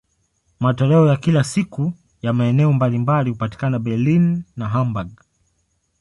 Matoleo ya kila siku ya maeneo mbalimbali hupatikana Berlin na Hamburg.